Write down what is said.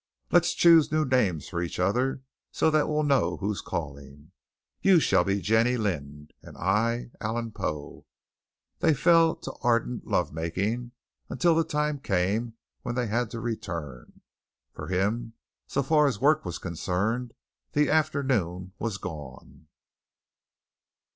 "Let's choose new names for each, so that we'll know who's calling. You shall be Jenny Lind and I Allan Poe." Then they fell to ardent love making until the time came when they had to return. For him, so far as work was concerned, the afternoon was gone.